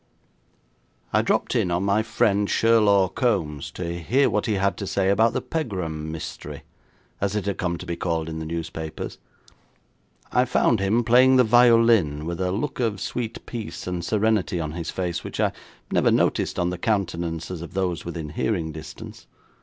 I dropped in on my friend, Sherlaw Kombs, to hear what he had to say about the Pegram mystery, as it had come to be called in the newspapers. I found him playing the violin with a look of sweet peace and serenity on his face, which I never noticed on the countenances of those within hearing distance.